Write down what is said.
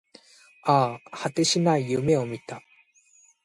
ああ、果てしない夢を見た